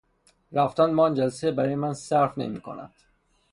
رفتن به آن جلسه برای من صرف نمیکند.